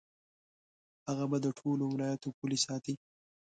هغه به د ټولو ولایاتو پولې ساتي.